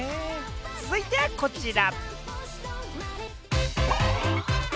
続いてはこちら！